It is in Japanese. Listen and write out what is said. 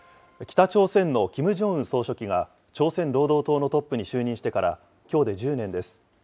北朝鮮のキム・ジョンウン総書記が、朝鮮労働党のトップに就任してからきょうで１０年です。